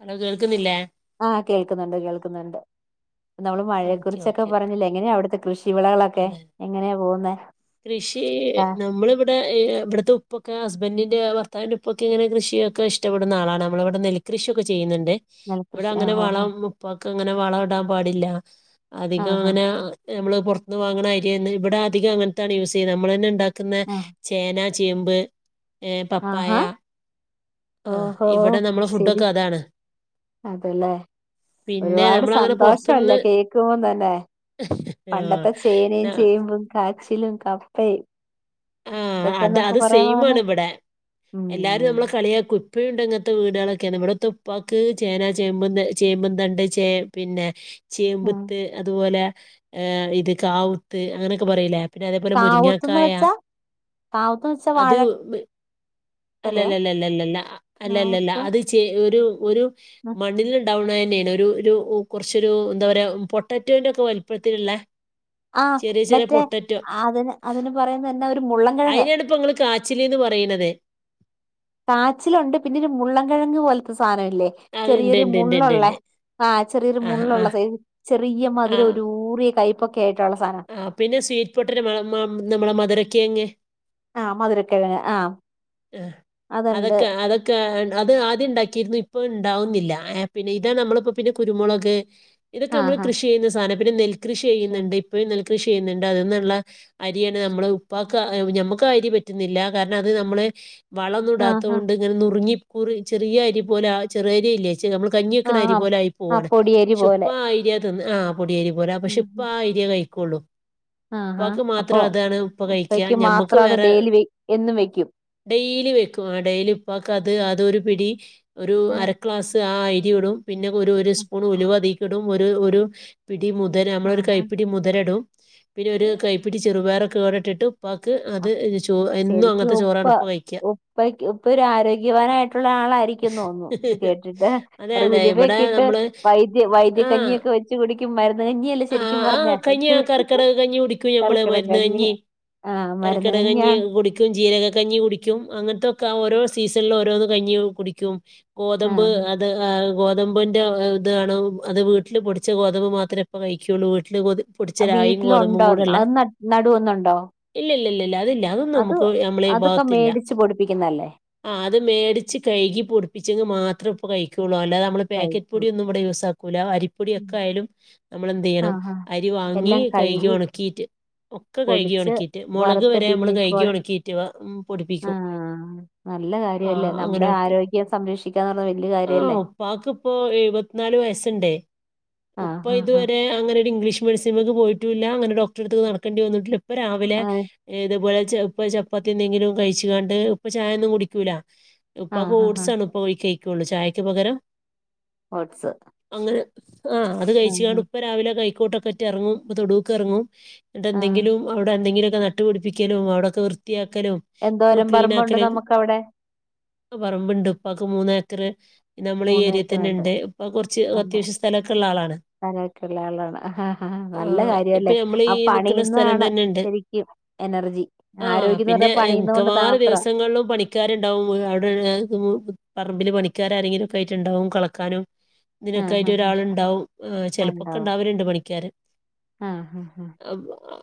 Hello കേൾക്കുന്നില്ലേ ആ കേൾക്കുന്നുണ്ട് കേൾക്കുന്നുണ്ട് നമ്മള് മഴയെ ഓക്കെ കുറിച്ചൊക്കെ ഓക്കെ പറഞ്ഞില്ലേ എങ്ങനെയാ അവിടത്തെ കൃഷി വെളകളൊക്കെ അതെ എങ്ങനെയാ പോവുന്നെ കൃഷി നമ്മളിവി ഇവടെ ഇവിടത്തെ ഉപ്പൊക്കെ ഹസ്ബൻഡറിന്റെ ഭർത്താവിന്റെ ഉപ്പൊക്കെ ഇങ്ങനെ കൃഷിയൊക്കെ ഇഷ്ടപ്പെടുന്ന ആളാണ് നമ്മളെ വിടെ നല്ലി കൃഷിയൊക്കെ ചെയുന്നുണ്ട് ഇവടെ നെൽകൃഷി ആ അങ്ങനെ ഓഹോ വളം ഉപ്പാക്ക് അങ്ങനെ വളം ഇടാൻ പാടില്ല അധികം ആഹാ അങ്ങനെ നമ്മള് പൊർത്ത്ന്ന് വാങ്ങ്ണ അരിയാണ് ഇവിടെ അധികം അങ്ങനത്താണ് യൂസ് ചെയ്യ്ണേ നമ്മളന്നെ ഇണ്ടാക്കുന്ന ആ ചേന ചേമ്പ് ഏ പപ്പായ ആഹാ ആ ഓഹോ ഇവിടെ നമ്മള് ശരി ഫുഡൊക്കെ അതാണ് അതല്ലേ പിന്നെ ഒരുപാട് നമ്മളങ്ങനെ സന്തോഷല്ല പുറത്തുനിന്ന് കേക്കുമ തന്നെ പണ്ടത്തെ ആ ചേനയും, ചേമ്പും, കാച്ചിലും, കപ്പയും. ആ അത് ഇതൊക്കെന്നൊക്കെ അത് സെയിമ് പറയാണല്ലോ ആണ് ഇവിടെ ഉം എല്ലാരും നമ്മളെ കളിയാക്കും. ഇപ്പയൂണ്ടോ ഉണ്ടങ്ങനത്തെ വീടുകളൊക്കെ ഇവടെത്തുപ്പാക്ക്, ചേന, ചേമ്പതണ്ട്, ചേമ്പന് തണ്ട് ചേ പിന്നെ- ഉം ചേമ്പുത്ത് അതുപോലെ ഇത് കാവുത്ത് അങ്ങനെയൊക്കെ പറയിലേ പിന്നെ അതേപോലെ മുരിങ്ങാക്കായ കാവത്ത് വെച്ചാ വാഴ അല്ലല്ലല്ലല്ല അല്ലല്ലല്ല കാവൂത്ത് അത് ചെ ഒരു ഒരു മണ്ണില് ണ്ടാവണ തന്നെയാണ് ഒരു ഒരു കൊറച്ചൊരു എന്താ പറയാ പൊട്ടാറ്റോന്റെ ഒക്കെ വലിപ്പത്തിലിള്ള ആ മറ്റേ അതിന് അതിന് പറയുന്ന എന്താ ഒരു മുള്ളൻകിഴങ്ങ് കാച്ചിലിന്ന് പറയണതേ കാച്ചിലുണ്ട് പിന്നെരു മുള്ളൻ കിഴങ് പോലത്തെ സാനല്ലേ ആ ഉണ്ട് ചെറിയോരു ഉണ്ട് മു ഉണ്ട് ഉണ്ട് ള്ളൂള്ളേ ഉണ്ട് ആ ചെറിയൊരു ആ ആ മുള്ളുള്ളെ ചെറിയ ആ മതിര ഒരു ഊറിയ കൈ ആ പിന്നെ സ്വീറ്റ് പൊട്ടന്റെ മണം നമ്മളെ മധുരക്കക്കിഴങ്ങ് ആ മധുരകിഴങ്ങ് ആ ആ അതൊക്കെ അതൊക്കെ ആ അത് ആദ്യം ഉണ്ടാക്കിയിരുന്നു ഇപ്പൊ ഇണ്ടാവുന്നില്ല പിന്നെ ഇതാ നമ്മളിപ്പോ പിന്നെ കുരുമുളക് ഇതൊക്കെ നമ്മള് ആഹ് കൃഷി ചെയ്യുന്ന സധന പിന്നെ നെൽകൃഷി ചെയ്യുന്നുണ്ട് ഇപ്പഴും നല്ല കൃഷി ചെയ്യുന്നുണ്ട്. അതീന്നുള്ള അരിയാണ് നമ്മളെ ഉപ്പക്ക് നമ്മക്ക് ആ അരി പറ്റുന്നില്ല കാരണം അത് നമ്മള് വളോന്നു ആഹ് ഇടാത്തോണ്ട് ഇങ്ങനെ നുറുങ്ങി പുറി ചെറിയ അരി പോലെ ആ ചെറിയരില്ലേ നമ്മൾ കഞ്ഞി വെക്കണ ആഹ് അരി ആഹ് പോലെ ആയി ആഹ് പോവാണ് പൊടിയരി ഷുപ്പ പോലെ അരിയ തിന്ന ആ പൊടിയേരി പോലെ പക്ഷെ ഇപ്പ ഉം ആ അരിയ കഴിക്കുള്ളൂ ആഹാ ഉപ്പാക്ക് അപ്പൊ മാത്രം അതാണ് ഉപ്പ കഴിക്ക ഉപ്പയ്ക്ക് ഞമ്മക്ക് മാത്രം അത് വേറെ ഡെയിലി വെ എന്നും വെക്കും ഡെയിലി വെക്കും ആ ഡെയിലി ഉപ്പക്ക് അത് അതൊരു പിടി ഒരു അരക്ലാസ്- ആ അരി ഇടും പിന്നെ ഒരു ഒരു സ്പൂണ് ഉലുവതിക്കിടും ഒരു ഒരു പി ടി മുതര നമ്മളൊരു കൈപ്പിടി മുതര ഇടും. പിന്നെ ഒരു ആഹ് കൈപ്പിടി ചെറുപയറൊക്കെ ഇവിടെ ഇട്ടിട്ട് ഉപ്പാക്ക് അത് ചോ എന്നും അങ്ങനത്തെ ചോറാണ് ഉപ്പ കഴിക്കുക ഉപ്പക്ക് ഉപ്പ ഒരു ആരോഗ്യവാനായിട്ടുള്ള ആളായിരിക്കും തോന്നുന്നു ഇത് കേട്ടിട്ട് അതെ അതെ ഇവിടെ ഉലുവൊക്കെ ഇട്ട് നമ്മൾ വൈദ്യ വൈദ്യ ആ കഞ്ഞിയൊക്കെ വെച്ച് കുടിക്കും മരുന്ന് കഞ്ഞിയില്ലേ ശരിക്കും പറഞ്ഞ കുടിക്കും എടക്കടക് കഞ്ഞി കുടിക്കും നമ്മളെ മരുന്ന് കഞ്ഞി ആ കർക്കിടകകഞ്ഞി കുടിക്കും ജീരക- കഞ്ഞി കുടിക്കും അങ്ങനത്തൊക്കെ ഓരോ സീസണില ഓരോന്ന് കഞ്ഞി കുടിക്കും ഗോതമ്പ് ആഹ് അത് ആ ഗോതമ്പിന്റെ ഇതാണ് അത് വീട്ടില് പൊടിച്ച ഗോതമ്പ് മാത്രേ ഇപ്പ കഴിക്കള്ളൂ വീട്ടില് പൊടിച്ചരായും ഗോതമ്പും വീട്ടിലുണ്ടോ കൂടെള്ള അത് നട്- നടുവൊന്നുണ്ടോ ഇല്ലല്ലല്ല. ല്ല അതില്ല അതൊന്നും അത് നമ്മുക്ക് ക് നമ്മളീ അതൊക്കെ ത്തില്ല മേടിച്ച് പൊടിപ്പിക്കുന്നല്ലേ ആ അത് മേടിച്ച് കഴുകി പൊടിപ്പിച്ചെങ്കി മാത്രേ ഉപ്പ കഴിക്കൊള്ളൂ നമ്മള പാക്കറ്റ് കഴിക്കും പൊടിന്നും ഇവടെ യൂസ് ആക്കൂല അരിപ്പൊടി ഒക്കെ ആയാലും നമ്മള് എന്ത് ചെയ്യണം ആഹ് ആഹ് അരി വാങ്ങി എല്ലാം കയ്കി കഴുകി ഒണക്കീട്ട് ഒക്ക കയ്കി പൊടിച്ച് ഒണക്കുട്ട് മൊളക് വരെ നമ്മള് കയ്കി വറുത്തിട്ടിന്നിക്കോടെ ഉണക്കീട്ട് വ ഉം പൊടിപ്പിക്കും. ആഹ് നല്ല ആ കാര്യല്ലേ നമ്മുടെ അങ്ങനൊക്കെ ആരോഗ്യം സംരക്ഷിക്കാന്ന് പറഞ്ഞ വല്യ ആഹ് കാര്യല്ലേ ഉപ്പാക്ക് ഇപ്പോ എഴ്പ നാലു വയസ്സിണ്ടെ. ഇപ്പ ആഹ് ആഹ് ആഹ് ഇത്വരെ അങ്ങനെ ഇംഗ്ലീഷ് [unintelligible] പോയിട്ടൂല്ല അങ്ങനെ ഡോക്ടെർട്ത്തിക്ക് നടക്കേണ്ടി വന്നിട്ടുല്ല ഇപ്പ രാവിലെ അങ്ങനെ ഇത് പോലെ പ്പ ച പ്പാത്ത്യെന്തെങ്കിലും കയ്ച്ചികാണ്ട് ഇപ്പ ചായൊന്നും കുടിക്കൂല ഇപ്പൊ ആഹ് ആഹ് ഓട്സ് ആഹ് ആണ് ഇപ്പ കയ് ള്ളൂ ചായക്ക് പകരം ഓട്ട്‌സ് ആ അത് കയ്ച്ചികാണ്ട് ഇപ്പ രാവിലെ കൈക്കോട്ടൊക്കെറ്റെർങ്ങും ഇപ്പ തൊടൂക്കെറങ്ങും എന്നിട്ട് ആഹ് എന്തങ്കിലും അവിടെ എന്തെങ്കിലൊക്കെ നട്ടുപിടിപ്പിക്കലും അവിടൊക്കെ വൃത്തിയാ ക്കലു ഫുൾ എന്തോരം ക്ലീൻ പറമ്പുണ്ട് ആക്കല്, നമുക്കവിടെ പറമ്പിണ്ട് ഉപ്പാക്ക് മൂന്നാ ക്ര് ന്നെ നമ്മ്ളീ മൂന്ന് ഏക്കറുണ്ട് ഏരിയേതന്നെണ്ട്, ഇപ്പൊ കൊർച്ച് അത്യാവശ്യ സ്ഥലൊക്കെ ഇള്ള ആളാണ്. അങ്ങനൊക്കുള്ള ആളാണ്, ആ ആ നല്ല ഇപ്പൊ കാര്യല്ലേ നമ്മൾ ആ ഈ നിൽക്കുന്ന സ്ഥലം പണിയുന്നതാണ് തന്നെ ഉണ്ട് ശരിക്കും എനർജി ആ ആരോഗ്യംന്ന് പിന്നെ പറഞ്ഞാ എ പണിയുന്നോണ്ട് മിക്കവാറും മാത്രം ദിവസങ്ങളിലും പണിക്കാരിണ്ടാവും അവിടെ ഇതും പറമ്പില് പണിക്കാര് ആരെങ്കിലും ഒക്കായിട്ടിണ്ടാവും കളക്കാനോ ഇതിനൊക്കെ ആഹ് ആയിട്ട് ആഹ് ഒരാളിണ്ടാവും, ചെലപ്പൊക്കെ ഇണ്ടാവലിണ്ട് പണിക്കാ ആ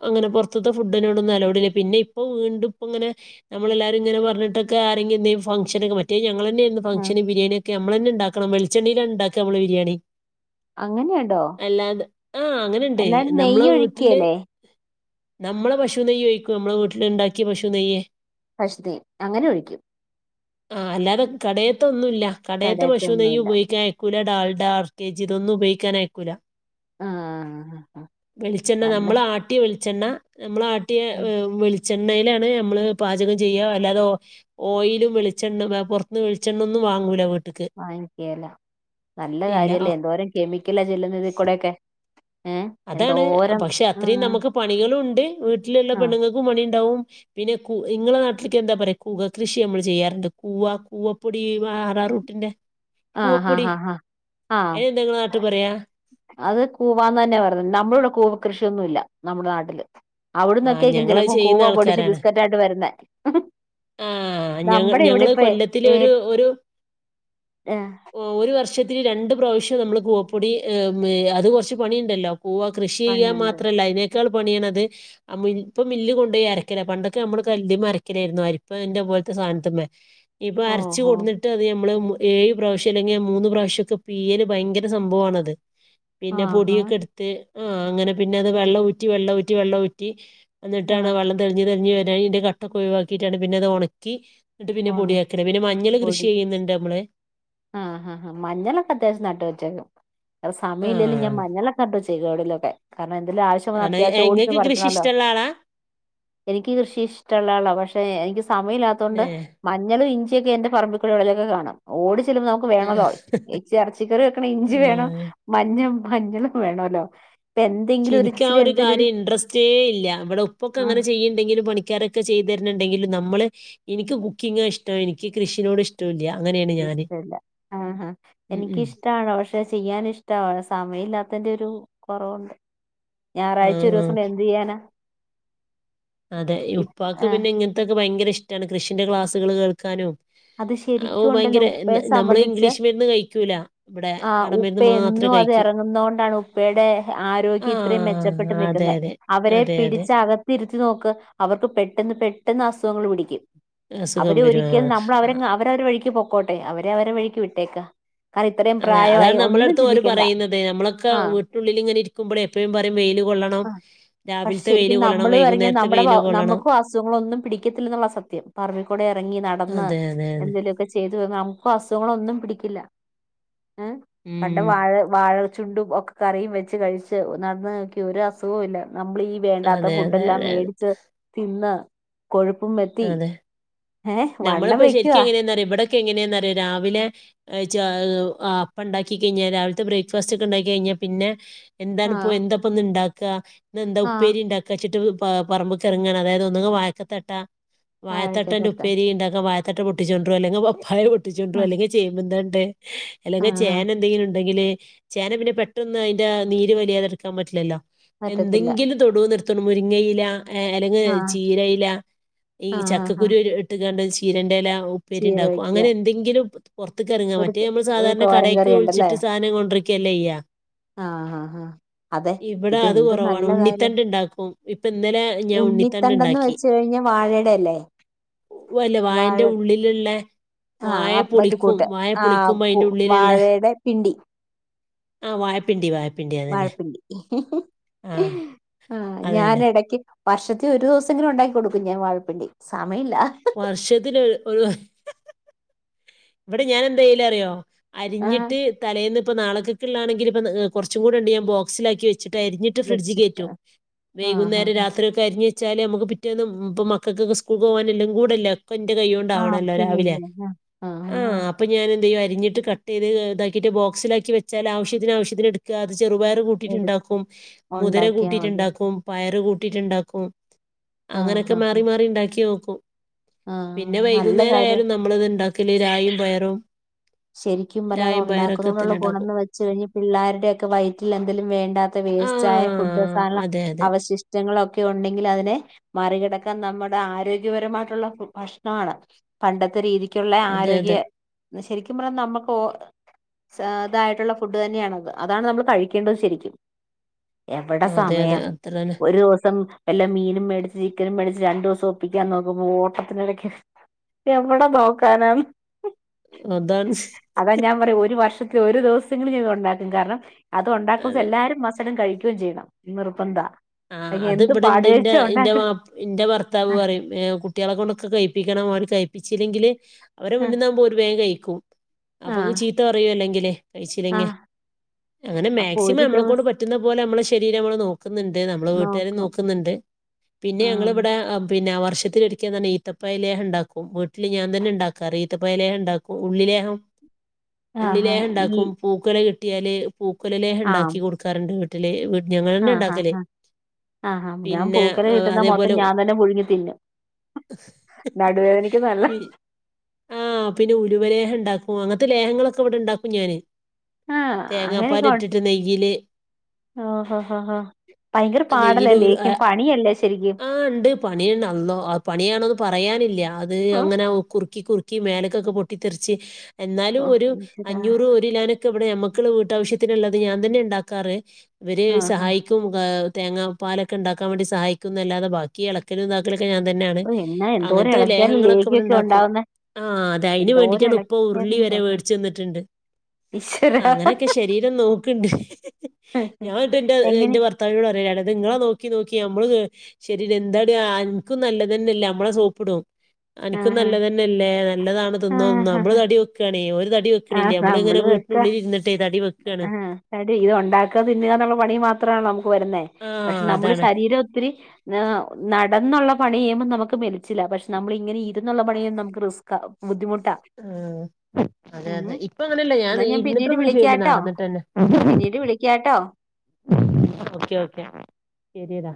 അങ്ങനെ പൊർത്തിത്തെ ഫുഡിനോടൊന്നും അലൗടില്ല പിന്നെ ഇ പ്പൊ വീണ്ടും ഇപ്പോങ്ങെനെ നമ്മളെല്ലാരും ഇങ്ങനെ പറഞ്ഞിട്ടൊക്കെ ആരെങ്കിന്തേലു ഫങ്ഷനൊക്കെ മറ്റേ ഞങ്ങളെ ന്നേര്ന്നു ആഹ് ഫംഗ്ഷന് ബിരിയാണ്യൊക്കെ നമ്മളെന്നെണ്ടാക്കണം വെളിച്ചണ്ണീലാണ്ടാക്ക നമ്മളെ ബിരിയാണി അങ്ങനെയുണ്ടോ അല്ലാണ്ട് ആ, അങ്ങനെണ്ട് അല്ലാണ്ട് നെയ്യ് നമ്മളെ വീട്ടില് ഒഴിക്കുകേല്ലേ നമ്മളെ പശു നെയ്യ് ഒയിക്കും, നമ്മളെ വീട്ടിൽ ഇണ്ടാക്കിയ പശു നെയ്യ് [unintelligible] അങ്ങനെ ഒഴിക്കും ആ അല്ലാതെ കടേത്തൊന്നുല്ല. കടേത്ത കടേത്തെ പശു നെയ്യ് ഒന്നുമില്ല ഉപയോഗിക്കായ് ക്കൂല ഡാൽഡ, ആർ കെ ജി ഇതൊന്നും ഉപയിക്കാൻ അയ്ക്കൂല ആഹ് വെളിച്ചെണ്ണ നല്ല നമ്മളാട്ടിയ വെളിച്ചെണ്ണ നമ്മള ആട്ടിയെ വെളി ച്ചെണ്ണീലാണ് നമ്മള് പാചകം ചെയ്യ, അല്ലാതെ ഓയിലും വെളിച്ചെണ്ണ പൊർത്ത്ന്ന് വെൾച്ചെണ്ണ ഒന്നും വാങ്ങൂല വീട്ട്ക്ക് വാങ്ങിക്കേല, നല്ല ഇല്ല കാര്യല്ലേ എന്തോരം കെമിക്കലാ ചെല്ലുന്നത്‌, ഇതിക്കൂടെക്കെ അതാണ് പക്ഷെ അത്രീ നമുക്ക് പണികളുണ്ട്, വീട്ടിലുള്ള ആ പെണ്ണിങ്ങക്കും പണിണ്ടാവും. പിന്നെ കു ഇങ്ങളെ നാട്ടിൽക്ക് എന്താ പറയാ കൂവ കൃഷി നമ്മൾ ചെയ്യാറിണ്ട്, കൂവ കൂവപ്പൊടി [unintelligible] റൂട്ടിന്റെ ആ, ആ, ആ ആ അതിനെന്താ നിങ്ങളെ നാട്ടിൽ പറയാ അത് കൂവാന്ന് തന്നെ പറ നമ്മടെവടെ കൂവ കൃഷ്യൊന്നുല്ല നമ്മുടെ നാട്ടില് ആ അവിടന്നൊക്കേരിക്കും ഞങ്ങളത് ചെലപ്പോ കൂവ ചെയ്യുന്ന പൊടിച്ച് ആൾക്കാരാണ് ബിസ്കറ്റ് ആയിട്ട് വരുന്നേ ആ, ഞങ്ങ നമ്മുടെ ഇവിടെ ഞങ്ങള് ഇപ്പ കൊല്ലത്തില് ഏ ഒരു ഒരു ഏ, ഒരു വർഷത്തില് രണ്ട് പ്രാവശ്യം നമ്മള് കൂവപ്പൊടി ഏ മ്, അത് കൊർച്ച് പണിണ്ടല്ലോ കൂവ കൃഷി ചെയ്യാൻ പണിയുണ്ട് മാത്രല്ല അയ്നെ ക്കാ പണിയണത് അ മിൽ ഇപ്പ മില്ലി കൊണ്ടോയി അരക്കല, പണ്ടൊക്കെ നമ്മള് കല്ല്മ്മെ അരക്കലാരുന്നു. അരി പ്പ ഇന്റെ പോൽത്തെ സാധൻത്തമ്മേ, ഇപ്പൊ അരച്ചു ഓഹോ കൊടുന്നിട്ട് അത് നമ്മള് ഏഴ് പ്രാവശ്യം അല്ലെങ്കിൽ മൂന്ന് പ്രാവശ്യം ഒക്കെ പീയല് ഭയ്ങ്കര സംഭവണത്. പിന്നെ ആഹാ പൊടിയൊക്കെ ഇട്ത്ത് ആ അങ്ങനെ പിന്നെ അത് വെള്ള ഊറ്റി, വെള്ള ഊറ്റി, വെള്ള ഊറ്റി ആ ഇന്നിട്ടാണാ വള്ളം തെളിഞ്ഞ് തെളിഞ്ഞ്‌ വരാൻ ഇതിന്റെ കട്ടൊ ഒക്കൊഴവാക്കീട്ടാണ് പിന്നെ അത് ഒണക്കി എന്നിട്ട് പിന്നെ പൊടിയാക്കല, പിന്നെ മഞ്ഞൾ ഉണക്കപ്പൊടി കൃഷിയെയ്യ്ന്നുണ്ട് നമ്മള് ആ, ആ, ആ, മഞ്ഞളൊക്കെ അത്യാവശ്യം നട്ട് വെച്ചേക്കും അ ആ സമയമല്ലേലും ഞാൻ മഞ്ഞളൊക്കെ നട്ടു വെച്ചേക്കും എവിടെലും ഒക്കെ. കാരണം എന്തേലും ആവശ്യം വന്ന ആണ് അത്യാവശ്യം ഓടി നിങ്ങൾക്ക് ചെന്ന് കൃഷി പറിക്കണൊല്ലോ ഇഷ്ടമുള്ള ആളാ എനിക്ക് കൃഷി ഇഷ്ടള്ള ആളാ, പക്ഷെ എനിക്ക് സമയല്ലാത്തോണ്ട് ഏ മഞ്ഞളും, ഇഞ്ചി ഒക്കെ എന്റെ പറമ്പിക്കൂള്ളി എവിടേലും ഒക്കെ കാണാം, ഓടി നമുക്ക് ആ വേണല്ലോ ഇച്ചി ഇറച്ചിക്കറി വെക്കണെ ഇഞ്ചി വേണം, ആ. മഞ്ഞൾ മഞ്ഞളും വേണല്ലോ ഇപ്പൊ പക്ഷേ എന്തെങ്കിലും എനിക്ക് ആ ഇച്ചിരി ഒരു എന്തെങ്കിലും കാര്യം ഇൻട്രസ്റ്റേ ഇല്ല, ഇവിടെ ഉപ്പ ഒക്കെ ആ അങ്ങനെ ചെയ്യുന്നുണ്ടെങ്കിലും പണിക്കാരൊക്കെ ചെയ്തു തരുന്നുണ്ടെങ്കിലും നമ്മള് എനിക്ക് കുക്കിംഗ് ആ ഇഷ്ടം, എനിക്ക് കൃഷീനോട് ഇഷ്ടം ഇല്യാ ഇഷ്ടല്ല ആ, ആ ഉം എനക്ക് ഉം. ഇഷ്ട്ടാണ്, പക്ഷെ ചെയ്യാൻ ഇഷ്ടാ സമയം ഇല്ലാത്തന്റെ ഒരു കുറവുണ്ട്, ഞായറാഴ്ച ഒരു ആഹ് ദിവസം എന്ത് ചെയ്യാനാ. അതെ ഇപ്- ഉപ്പാക്ക് ആ, പിന്നെ ഇങ്ങനത്തൊക്കെ ഭയങ്കര ഇഷ്ടമാണ്. കൃഷിന്റെ ക്ലാസ്സുകൾ കേൾക്കാനും അത് ശരിക്കും ഉണ്ടല്ലോ ഭയങ്കര ഉപ്പയെ നമ്മള് സംബന്ധിച്ച് ഇംഗ്ലീഷ് മരുന്ന് കഴിക്കൂല, ഇവിടെ നാടൻ മരുന്ന് മാത്രം അ ഇറങ്ങുന്നണ്ടാണ് ഉപ്പയുടെ ആരോഗ്യം ഇത്രയും മെച്ചപ്പെട്ട് ആഹ് അതെ നിൽക്കുന്നത് അതെ. അവരെ അതെ അതെ. പിടിച്ചകത്തിരു നോക്ക് അവർക്ക് പെട്ടെന്ന് പെട്ടെന്ന് അസുഖങ്ങൾ പിടിക്കും സുഖം വരും അവ ആ അവരവരു വഴിക്ക് പോക്കോട്ടെ അവരെ അവരു വഴിക്ക് വിട്ടേക്ക് അതെ അതാണ് നമ്മള അടുത്തും അവ പറയുന്നത് നമ്മളൊക്കെ ആ വീട്ടിനുള്ളില് ഇങ്ങനെ ഇരിക്കുമ്പളെ എപ്പോഴും പറയും വെയിലും കൊള്ളണം ആ പക്ഷെ രാവിലത്തെ വെയില് ശരിക്കും കൊള്ളണം നമ്മള് എറങ്ങിയാൽ വൈകുന്നേരത്തെ നമ്മുടെ വെയില് കൊള്ളണം നമുക്കും അസുഖങ്ങളൊന്നും പിടിക്കത്തില്ല എന്നുള്ളതാ സത്യം പറമ്പിക്കൂടെ ഇറങ്ങി നടന്ന് അതെ അതെ അതെ എന്തെലുമൊക്കെ ചെയ്ത് വ നമുക്ക് അസുഖങ്ങളൊന്നും പിടിക്കില്ല ഉം കണ്ട ഉം വാഴ വാഴ ചുണ്ടും ഒക്കെ കറിയും വെച്ച് കഴിച്ച് നടന്ന് നോക്കി ഒരു അസുഖവും ഇല്ല നമ്മളീ വേണ്ടാത്ത അതെ ഫുഡ് അതെ എല്ലാം അതെ അതെ മേടിച്ച് തിന്ന് കൊഴുപ്പും പത്തി ഏഹ് വണ്ണം വെ ക്കെങ്ങനെ ഇവിടെൊക്കെ എങ്ങനെയാന്നന്യോ രാവിലെ്പ്പ ഉണ്ടാക്കി കഴിഞ്ഞാ രാവിലത്തെ ബ്രേക്ക്ഫാസ്റ്റ് ഒക്കെ ഉണ്ടാക്കി ക പിന്നെ എന്താണ് ഇപ്പോ ആഹ് എന്താ ഇണ്ടാക്കുക എന്താ ആഹ് ഉപ്പേരി ഉണ്ടാക്കിട്ട് ച്ചട്ട് പ പറമ്പ്ക്ക് കെറങ്ങാണ് അതായത് ഒന്ന് വായക്കത്തട്ട വാഴക്ക വായത്തട്ടേന്റെ തട്ടാ ഉപ്പേരി ഉണ്ടാക്ക വ ത്തട്ട പൊിച്ചൊണ്ടരുോ അല്ലെങ്കി പപ്പായ പൊട്ടിച്ചൊണ്ടുവരും ആഹ് അല്ലെങ്കി പേമ്പുന്തണ്ട് അല്ലെങ്കിൽ ആഹ് ആഹ് ചേന എന്തെങ്കിലും ഉണ്ടെങ്കില് ചേന പിന്നെ പെട്ടന്ന് അതിന്റെ നീര് വലിയാതെടുക്കാൻ പറ്റില്ലല്ലോ പറ്റത്തില്ല എന്തെങ്കിലും തൊടൂന്ന് മുരിങ്ങയില അല്ലെങ്കി ആഹ് ചീര ഇല ആഹ് ആഹ് ആഹ് ചക്കക്കുരു ടണ്ട് ചീരന്റെല ഉപ്പേരി ചീര ഉണ്ടാക്കും വെക്ക അങ്ങനെ എന്തെങ്കിലും പൊറുത്ത്ക്ക്റങ്ങ ഒരു മറ്റേ നമ്മള് ഒരു സാധാരണ തോരൻ കടേക്ക് കറി ഉണ്ടല്ലേ വിളിച്ചിട്ട് സാധനം കൊണ്ടിരിക്കുകയല്ലേ ചെയ്യാ ആഹ് ആഹ് ആഹ് അതെ ഇവിടെ അത് ഇതെന്ത് കൊറവാണ് നല്ല കാര്യം ഉണ്ണിത്തണ്ട് ഉണ്ടാക്കും ഇപ്പൊ ഇന്നലെ ഞാൻ ഉണ്ണിത്തണ്ടുണ്ടാക്കി വാഴടല്ലേ വാഴൻ്റെ ഉള്ളിലുള്ള ആഹ് അത് വായപ്പൊളിക്കും കൂട്ട് ആഹ് വായപ്പൊളിക്കുമ്പോ അയിൻ്റെ ഉള്ളിലുള്ളേ വാഴയുടെ പിണ്ടി ആഹ് വായ്പിണ്ടി വായ വഴപ്പിണ്ടി ആ ഞാന് അതുതന്നെ എടക്ക് വർഷത്തി ഒരു ദിവസെങ്കിലും ഉണ്ടാക്കി കൊടുക്കും ഞാൻ വാഴപ്പിണ്ടി സമയമില്ല വർഷത്തി ഒരു ഇവിടെ ഞാൻ എന്തായലും അറിയോ ആ അരിഞ്ഞിട്ട് തലേന്ന് ഇപ്പ നാളെക്കെള്ള ആണെങ്കിപ്പം കൊറച്ച് കൂടെ ഉണ്ട് ഞാൻ ബോസിലാക്കി വച്ചു വെച്ചിട്ട് അരിഞ്ഞിട്ട് ഫ്രഡ്ജ് വെച്ചിട്ട് കയറ്റും ആ ആ വൈകുന്നേരം ആ രാത്രിയൊക്കെ അരി വച്ചാല് നമുക്ക് പിറ്റേൊന്നും ഇപ്പ മക്കക്കൊക്കെ സ്കൂളിൽ പോകാന എല്ലും കൂടെ അല്ല എന്റെ കൈ കൊണ്ടാവണല്ലോ രാവിലെ ആ അപ്പ ഞാെ എന്ത് ചെയ്യും അരിഞ്ഞിട്ട്ത് ഇതാക്കിയിട്ട് ബോക്സിലാക്കി വെച്ചാൽ ആവശ്യത്തിന് ആവശ്യത്തിന് എടുക്കാ ചെറുപയർ എടു കൂട്ടിയിട്ടുണ്ടാക്കും മുതിര ഉണ്ടാക്കിയാ മതി കൂട്ടിയിട്ടുണ്ടാക്കും പയറ് കൂട്ടിയിട്ടുണ്ടാക്കും ആ അങ്ങനൊക്കെ ആ ആ മാറി മാറി ഉണ്ടാക്കി നോക്കും ആ, പിന്നെ നല്ല കാര്യ വൈകുന്നേരയാലും നമ്മളത് ഉണ്ടാക്കില്ല രായും വയറും ശരിക്കും പറയാ അതെ ഉണ്ടാക്കുന്നതള്ള ഉണ്ടാക്കും ഗുണംന്ന് വെച്ച് കഴിഞ്ഞഞ് പിള്ളേരുടെയൊക്കെ വയറ്റിൽ എന്തെലും വേണ്ടാത്ത ആ വേസ്റ്റായ ഫുഡ് അതെ അതെ അവശിഷ്ടങ്ങളൊക്കെ ഉണ്ടെങ്കിൽ അതിനെ മറികിടക്കാൻ നമ്മുടെ ആരോഗ്യപരമായിട്ടുള്ള ഭക്ഷണമാണ് പണ്ടത്തെ രീതി- ആയിട്ടുള്ള അതെ ആരോഗ്യ അതെ ശരിക്കും പറഞ്ഞ നമ്മുക്ക്- ഇതായിട്ടുള്ള ഫുഡ് തന്നെയാണത് അതാണ് നമ്മള് കഴിക്കേണ്ടത് ശരിക്കും എവിടെ അതെ അതെ സമയം അത്ര തന്നെ ഒരു ദിവസം എല്ലാം മീനും മേടിച്ച് ചിക്കനും മേടിച്ച് രണ്ടു ദിവസം ഒപ്പിക്കാൻ നോക്കുമ്പോ ഓട്ടത്തിനിടയ്ക്ക്- എവിടെ നോക്കാനാണ് അതാണ് അതാ ഞാൻ പറയും ഒരു വർഷത്തി ഒരു ദിവസങ്ങളും ഇത് ഉണ്ടാക്കും കാരണം അത് അതെ ഉണ്ടാക്കുന്ന എല്ലാരും- കഴിക്കുകയും ചെയ്യണം നിർബന്ധവാ ആഹ് അത് ഇവിടെ ഇന്റെ ഭർത്താവ് പറയും കുട്ടികളെ കൊണ്ടൊക്കെ കഴിപ്പിക്കണ മ കഴപ്പിച്ചില്ലെങ്കില് അവരെ മുന്നി ആകുമ്പോ അവര് വേഗം കഴിക്കും ആ അപ്പൊക്ക്‌ ചീത്ത പറയും അല്ലെങ്കില് ആ കഴിച്ചില്ലങ്കിൽ അങ്ങനെ അപ്പൊ മാക്സിമം ഒരു നമ്മളെകൊണ്ട് ദിവസം പറ്റുന്ന പോലെ നമ്മള് ശ ശരീരങ്ങൾ നോക്കുന്നുണ്ട് നമ്മെടെ വീട്ടുകാരും നോക്കും നോക്കുന്നുണ്ട് പിന്നെ ആ ഞങ്ങള് ഇവിടെ പിന്നെ വർ വർഷത്തിൽ ഒരിക്ക ഈത്തപ്പഴലേഹ്യ ഉണ്ടാക്കും വീട്ടില് ഞാൻ തന്നെ ഉണ്ടാക്കാറ് ഈത്തപ്പായലേഹ്യ ഉണ്ടാക്കും ഉള്ളിലേഹ്യ- ആ ആ, ഉള്ളിലേഹ്യ ഈ ഉണ്ടാക്കും പൂക്കല കിട്ടിയാല് പൂക്കല ലേഹ്യ ആ ഉണ്ടാക്കി കൊടുക്കാറുണ്ട് വീട്ടില് ഞങ്ങൾതന്നെ ഉണ്ടാക്കല് ആഹ്ഹാ ഞാൻ പിന്നെ പൂക്കല ആ, കിട്ടുന്ന മൊത്തം അതേപോലെ ഞാൻ തന്നെ പുഴുങ്ങിത്തിന്നും നടുവേദനക്ക് നല്ലതാ ആഹ് പിന്നെ ഉരുവലേഹ്യ ഉണ്ടാക്കും അങ്ങനത്തെ ലേഹങ്ങളൊക്കെ ഇവിടെ ഇണ്ടാക്കും ഞാന് ആഹ് തേങ്ങാപ്പാൽ അങ്ങനെക്കെ ഇട്ടിട്ട് ഉണ്ടാക്കുമോ നെയ്യില് ഓ ഓ ഓ ഓ ഭയങ്കര പാടലല്ലേ നെയ്യില് ഉരു ലേഹ്യ പണിയല്ലേ ശരിക്കും ആഹ് ഉണ്ട് പണി ആഹ് പണിയാണന്ന് പറയാനില്ല അത് ഓ അങ്ങനെ കുറു കുറുക്കി കുറുക്കി മേലേക്കേ പൊട്ടിത്തെറിച്ച് ഓ എന്നാലുംഒരു ഈശ്വരാ അഞ്ഞൂറും ഒരു കിലോന്ക്ക്- ഇവിടെ നമ്മക്കള് വീട്ടാവശ്യത്തിനുള്ളത് ഞാൻ തന്നെ ഉണ്ടാക്കാറ് ഇവര് ആ ആ സഹായിക്കും തേങ്ങാ പാലൊക്കെ ഉണ്ടാക്കാൻ വേണ്ടി സഹായിക്കുന്ന അല്ലാതെ ബാക്കി ഇളക്കലും ഇതാക്കലും- ഒക്കെ ഞാൻ തന്നെയാണ് ഓ എന്നാ എന്തോരം അങ്ങനത്തെ ഇളക്കിയാലും ലേഹങ്ങളൊക്കെ ഇവിടെ ലേഹ്യമൊക്കെ ഉണ്ടാക്കും ഉണ്ടാവുന്ന ആഹ അതിന് എന്തോരം വേണ്ടിയിട്ടാണ് ഉപ്പ ഉരുളി വരെ ഇളക്കിയതുണ്ടോന്നേ മേടിച്ചു തന്നിട്ടുണ്ട് ഈശ്വരാ അങ്ങനൊക്കെ ശരീരം നോക്കണ്ട് ഞാൻ അത് എങ്ങനെ എന്റെ ഭർത്താവിനോട് പറയും- നിങ്ങളെ നോക്കി നോക്കി നമ്മള് ശരീരം എന്താ എനക്കും നല്ലത്തന്നെല്ലേ നമ്മളെ സോപ്പിടും അനക്കും ആഹാ നല്ലതന്നെല്ലേ നല്ലതാണ് തിന്നോ തിന്നോ നമ്മള് ആഹാഹാ തടി വെക്കണെ ഇവര് തടി തടി വെയ്ക്കണില്ല ഇങ്ങനെ വീട്ടിനുള്ളിൽയിരുന്നിട്ടേ ആഹ് തടി ഇത് ഉണ്ടാക്കാ തിന്നുക ഉള്ള പണി മാത്രണോ നമുക്ക് വരുന്നേ പക്ഷെ ആഹ് നമ്മള് അതാണ് ശരീരം ഒത്തിരി നട നിന്നുള്ള പണി ചെയ്യുമ്പോ നമുക്ക് മേലിച്ചില പക്ഷ നമ്മള് ഇങ്ങനെ ഇരുന്നള്ള പണിചെയ്യുമ്പോ നമുക്ക്‌ റിസ്ക് ആവും ബുധിമു ആഹ അതെ അതെ ഇപ്പം അങ്ങനെയല്ല ഞാൻ എന്നാ പിന്നീട് ഇരുന്നിട്ടൊന്നും ചേ ഇരുന്നിട്ടില്ല വിളിക്കാട്ടോ നടന്നിട്ടാണ് പിന്നീട് വിളിക്കാട്ടോ ഓക്കെ ഓക്കെ ശരിയടാ